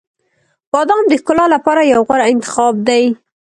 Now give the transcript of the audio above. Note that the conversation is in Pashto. • بادام د ښکلا لپاره یو غوره انتخاب دی.